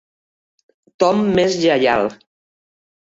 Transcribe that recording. Tom m'és lleial.